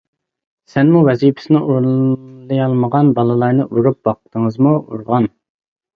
-سەنمۇ ۋەزىپىسىنى ئورۇنلىيالمىغان بالىلارنى ئۇرۇپ باقتىڭىزمۇ؟ -ئۇرغان.